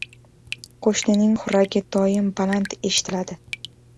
• Qo‘shnining xurragi doim baland eshitiladi.